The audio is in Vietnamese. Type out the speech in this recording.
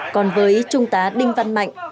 còn với trung tá đinh văn mạnh